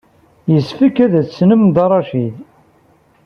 Yessefk ad tessnem Dda Racid.